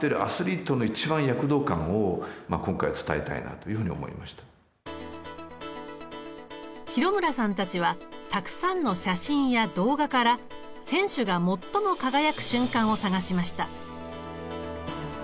特にその競技を行っている廣村さんたちはたくさんの写真や動画から選手が最も輝く瞬間を探しました。